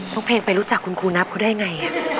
เพลงไปรู้จักคุณครูนับเขาได้ไง